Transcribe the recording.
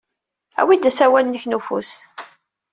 Awi-d asawal-nnek n ufus.